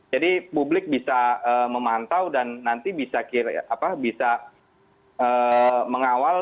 jadi publik bisa memantau dan nanti bisa mengawal